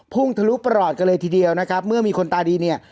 ทะลุปรอดกันเลยทีเดียวนะครับเมื่อมีคนตาดีเนี่ย